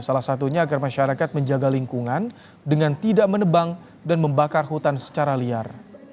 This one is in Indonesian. salah satunya agar masyarakat menjaga lingkungan dengan tidak menebang dan membakar hutan secara liar